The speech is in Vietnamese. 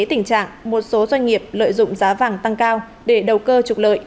tình trạng một số doanh nghiệp lợi dụng giá vàng tăng cao để đầu cơ trục lợi